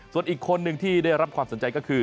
ส่วนอีกคนนึงที่ได้รับความสนใจก็คือ